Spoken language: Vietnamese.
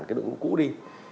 cái đội ngũ cũ đi